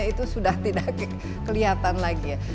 itu sudah tidak kelihatan lagi ya